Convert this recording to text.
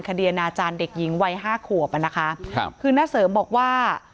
อนาจารย์เด็กหญิงวัยห้าขวบอ่ะนะคะครับคือน้าเสริมบอกว่า